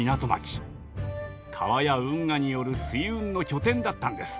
川や運河による水運の拠点だったんです。